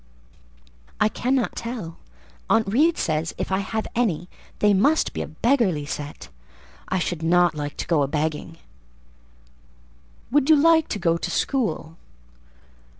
"I cannot tell; Aunt Reed says if I have any, they must be a beggarly set: I should not like to go a begging." "Would you like to go to school?"